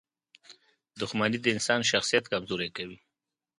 • دښمني د انسان شخصیت کمزوری کوي.